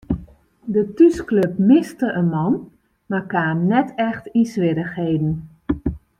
De thúsklup miste in man mar kaam net echt yn swierrichheden.